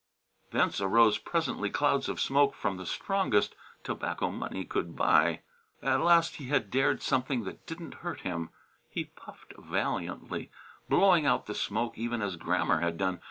Thence arose presently clouds of smoke from the strongest tobacco money could buy. At last he had dared something that didn't hurt him. He puffed valiantly, blowing out the smoke even as Grammer had done.